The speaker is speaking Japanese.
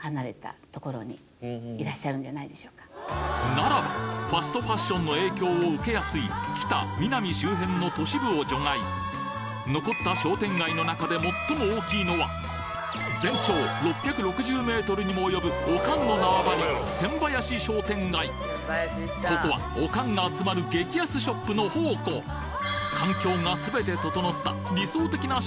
ならばファストファッションの影響を受けやすいキタミナミ周辺の都市部を除外残った商店街の中で最も大きいのは全長６６０メートルにも及ぶオカンの縄張りここはオカンが集まる激安ショップの宝庫のはず